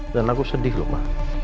dan aku sedih lho ma